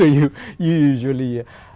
và các quý vị